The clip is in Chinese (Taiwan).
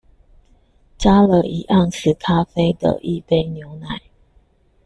加了一盎司咖啡的一杯牛奶